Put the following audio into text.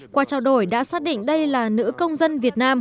qua trao đổi đã xác định đây là nữ công dân việt nam